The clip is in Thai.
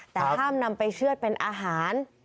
แต่ห้ามนำไปเชื่อดเป็นอาหาร